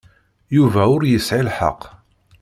Yuba ur yesɛi lḥeqq.